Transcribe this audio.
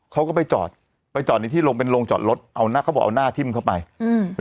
เขาก็ไปจอดไปจอดในที่ลงเป็นโรงจอดรถเอาหน้าเขาบอกเอาหน้าทิ้มเข้าไปอืม